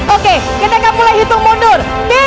oke kita akan mulai hitung mundur